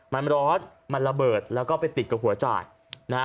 มันร้อนมันระเบิดแล้วก็ไปติดกับหัวจ่ายนะฮะ